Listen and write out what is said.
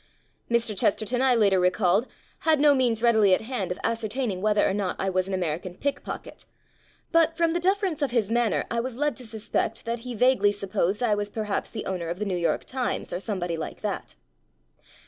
Mr. Chesterton, I later recollected, had no means readily at hand of ascertaining whether or not I was an American pickpocket; but from the deference of his manner I was led to suspect that he vaguely supposed I was perhaps the owner of the New York "Times", or somebody like that.